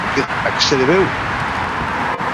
A que se debeu?